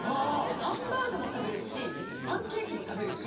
ハンバーグも食べるしパンケーキも食べるし。